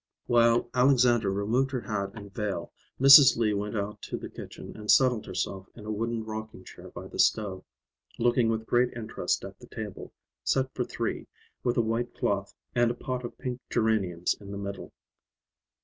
While Alexandra removed her hat and veil, Mrs. Lee went out to the kitchen and settled herself in a wooden rocking chair by the stove, looking with great interest at the table, set for three, with a white cloth, and a pot of pink geraniums in the middle.